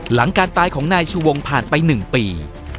หลังการตายของนายชูวงผ่านไป๑ปี